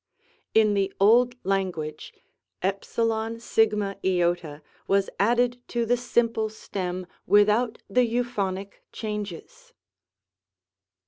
In the old Language ioi was added to the simple stem without the Euphonic changes.